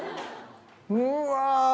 うわ！